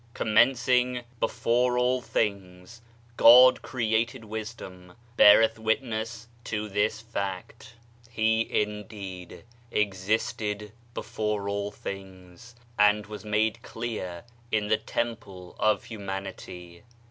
s Diaiiizedb, Google INTRODUCTION mencing "Before all things God created wisdom" beareth witness to this fact. He indeed existed before all things, and was made clear in the temple of humanity.